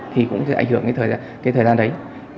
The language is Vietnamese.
thì cũng sẽ ảnh hưởng đến thời gian đấy